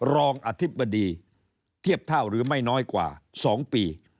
รองอธิบดีเทียบเท่าหรือไม่น้อยกว่า๒ปี